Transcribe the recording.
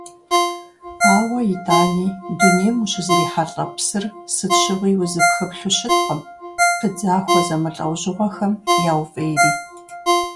Ауэ итӀани дунейм узыщрихьэлӀэ псыр сыт щыгъуи узыпхыплъу щыткъым, пыдзахуэ зэмылӀэужьыгъуэхэм яуфӀейри.